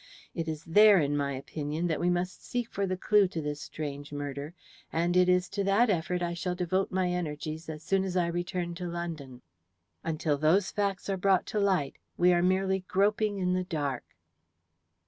It is there, in my opinion, that we must seek for the clue to this strange murder, and it is to that effort I shall devote my energies as soon as I return to London. Until those facts are brought to light we are merely groping in the dark."